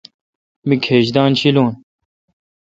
می کھیج دن شیلون۔